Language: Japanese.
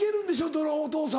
どのお父さんも。